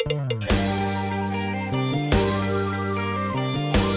กลับไปก่อนที่สุดท้าย